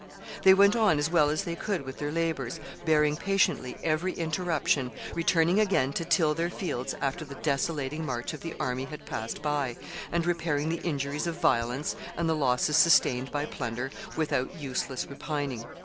They went on as well as they could with their labors, bearing patiently every interruption, returning again to till their fields after the desolating march of the army had passed away, and repairing the injuries of violence, and the losses sustained by plunder, without useless repining.